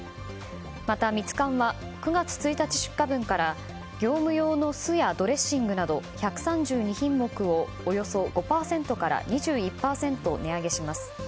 またミツカンは９月１日出荷分から業務用の酢やドレッシングなど１３２品目を、およそ５％から２１％値上げします。